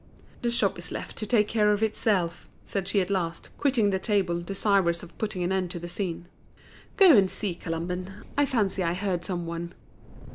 "The shop is left to take care of itself," said she at last, quitting the table, desirous of putting an end to the scene. "Go and see, Colomban; I fancy I heard some one."